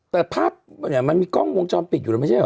แต่ภาพเนี่ยมันมีกล้องวงจรปิดอยู่แล้วไม่ใช่เหรอ